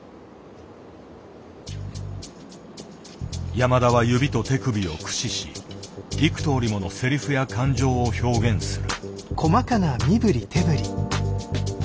山田は指と手首を駆使し幾とおりものセリフや感情を表現する。